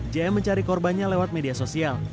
jm mencari korbannya lewat media sosial